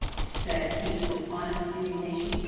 'I do,' said Kate with honest indignation.